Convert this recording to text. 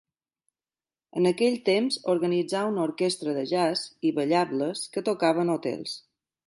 En aquell temps organitzà una orquestra de Jazz i ballables que tocava en hotels.